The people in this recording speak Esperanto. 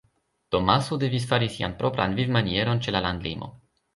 Tomaso devis fari sian propran vivmanieron ĉe la landlimo.